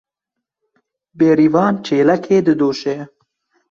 Bêrîvan çêlekê didoşe.